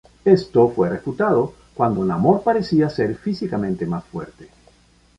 Esto fue refutado cuando Namor parecía ser físicamente más fuerte.